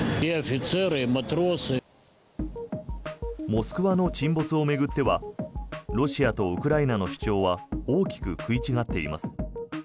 「モスクワ」の沈没を巡ってはロシアとウクライナの主張は大きく食い違っています。